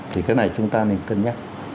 thì cái này chúng ta nên cân nhắc